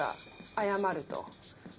謝ると。